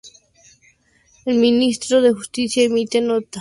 En Ministerio de Justicia emite nota de prensa al respecto.